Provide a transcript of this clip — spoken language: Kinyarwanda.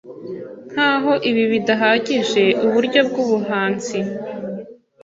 Nkaho ibi bidahagije uburyo bwubuhanzi